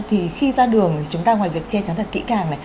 thì khi ra đường thì chúng ta ngoài việc che chắn thật kỹ càng